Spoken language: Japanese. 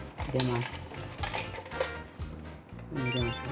入れますね。